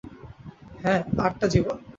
হ্যাঁ, আটটা জীবন।